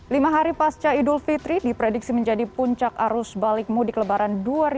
lima hari pasca idul fitri diprediksi menjadi puncak arus balik mudik lebaran dua ribu dua puluh